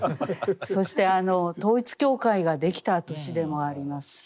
そして統一教会ができた年でもあります。